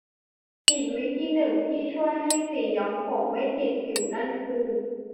อีกวิธีหนึ่งที่ช่วยให้สีย้อมผมไม่ติดผิวนั่นก็คือ